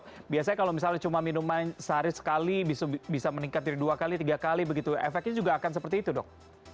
tapi biasanya kalau misalnya cuma minuman sehari sekali bisa meningkat dari dua kali tiga kali begitu efeknya juga akan seperti itu dok